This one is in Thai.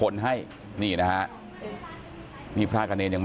แล้วอันนี้ก็เปิดแล้ว